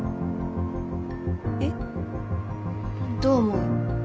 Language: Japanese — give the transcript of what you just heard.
えっ？どう思う？